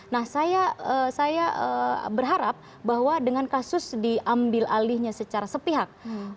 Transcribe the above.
nah saya berharap bahwa dengan kasus diambil alihnya secara sepihak